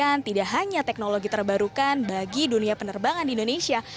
dengan tidak hanya teknologi terbarukan bagi dunia penerbangan di indonesia